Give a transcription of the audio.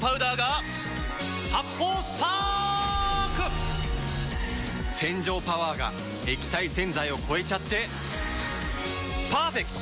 発泡スパーク‼洗浄パワーが液体洗剤を超えちゃってパーフェクト！